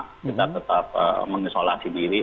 kita tetap mengisolasi diri